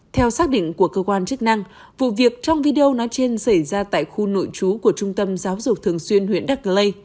theo xác định của cơ quan chức năng vụ việc trong video nói trên xảy ra tại khu nội trú của trung tâm giáo dục thường xuyên huyện đắc lây